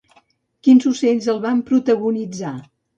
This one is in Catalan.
Quins ocells el van protagonitzar?